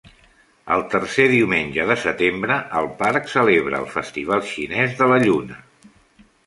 El tercer diumenge de setembre, el parc celebra el Festival xinès de la Lluna.